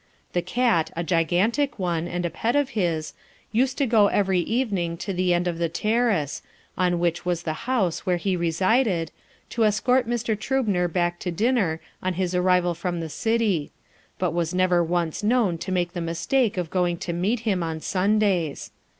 The cat, a gigantic one, and a pet of his, used to go every evening to the end of the terrace, on which was the house where he resided, to escort Mr. Trübner back to dinner on his arrival from the City, but was never once known to make the mistake of going to meet him on Sundays.